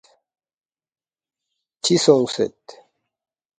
”چِہ سونگسید؟“